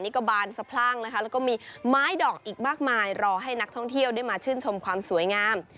นี่ก็บานสะพรั่งนะคะแล้วก็มีไม้ดอกอีกมากมายรอให้นักท่องเที่ยวได้มาชื่นชมความสวยงาม